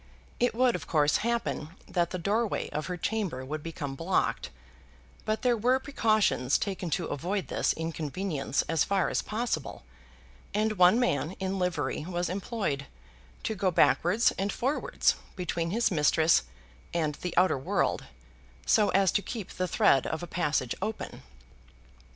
It would, of course, happen that the doorway of her chamber would become blocked; but there were precautions taken to avoid this inconvenience as far as possible, and one man in livery was employed to go backwards and forwards between his mistress and the outer world, so as to keep the thread of a passage open.